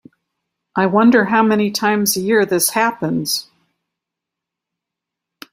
I wonder how many times a year this happens.